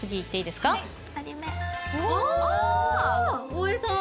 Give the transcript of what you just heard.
大江さん。